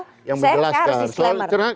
saya harus diselamar